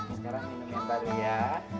sekarang minum yang baru ya